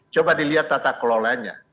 coba dilihat tata kelolanya